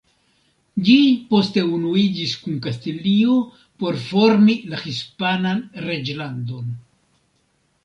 Ĝi poste unuiĝis kun Kastilio por formi la hispanan reĝlandon.